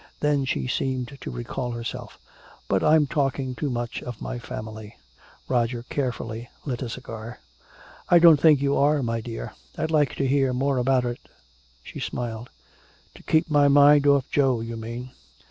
Then she seemed to recall herself: "But I'm talking too much of my family." Roger carefully lit a cigar: "I don't think you are, my dear. I'd like to hear more about it." She smiled: "To keep my mind off Joe, you mean."